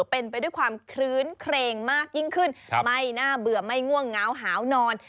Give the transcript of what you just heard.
เป็นไปด้วยความคลื้นเครงมากยิ่งขึ้นไม่น่าเบื่อไม่ง่วงเงาหาวนอน